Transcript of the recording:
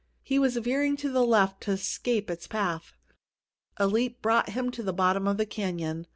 He was veering to the left to escape its path. A leap brought him to the bottom of the canyon.